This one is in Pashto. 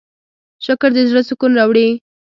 شکر د زړۀ سکون راوړي.